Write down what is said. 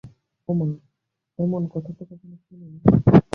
ওমা এমন কথা তো কখনও শুনিনি!